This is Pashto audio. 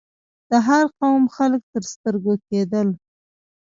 د هر قوم خلک تر سترګو کېدل.